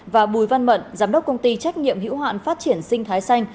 và bùi văn mận giám đốc công ty trách nhiệm hữu hạn phát triển sinh thái xanh